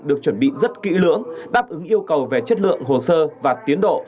được chuẩn bị rất kỹ lưỡng đáp ứng yêu cầu về chất lượng hồ sơ và tiến độ